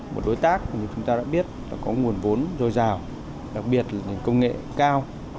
một đối tác như chúng ta đã biết có nguồn vốn dồi dào đặc biệt là công nghệ cao